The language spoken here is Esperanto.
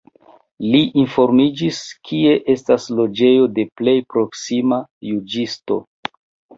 Li informiĝis, kie estas loĝejo de plej proksima juĝisto.